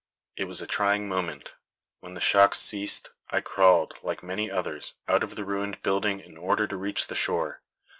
It was a trying moment. When the shocks ceased, I crawled, like many others, out of the ruined building in order to reach the shore.